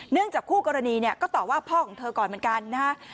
เนื่องจากคู่กรณีก็ต่อว่าพ่อของเธอก่อนเหมือนกันนะฮะ